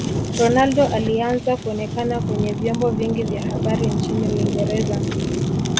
Ronaldo aliaanza kuonekana kwenye vyombo vingi vya habari nchini uingereza